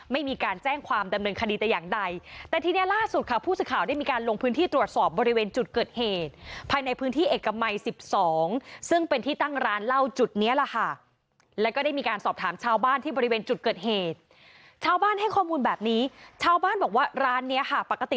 ไม่มีการแจ้งความดำเนินคดีแต่อย่างใดแต่ทีนี้ล่าสุดค่ะผู้สื่อข่าวได้มีการลงพื้นที่ตรวจสอบบริเวณจุดเกิดเหตุภายในพื้นที่เอกมัยสิบสองซึ่งเป็นที่ตั้งร้านเหล้าจุดเนี้ยแหละค่ะแล้วก็ได้มีการสอบถามชาวบ้านที่บริเวณจุดเกิดเหตุชาวบ้านให้ข้อมูลแบบนี้ชาวบ้านบอกว่าร้านเนี้ยค่ะปกติ